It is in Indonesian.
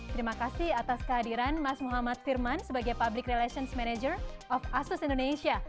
terima kasih atas kehadiran mas muhammad firman sebagai public relations manager of asus indonesia